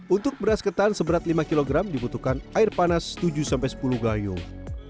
untuk beras ketan seberat lima kg dibutuhkan air panas tujuh sepuluh gayung